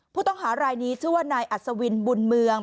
ผู้ต้องหารายนี้ชื่อว่านายอัศวินบุญเมือง